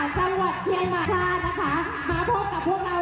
จังหวัดเชียงใหม่ชาตินะคะมาพบกับพวกเราค่ะครอบครัวเพื่อไทยค่ะ